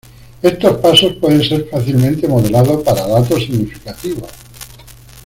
Estos pasos pueden ser fácilmente modelado para datos significativos.